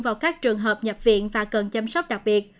vào các trường hợp nhập viện và cần chăm sóc đặc biệt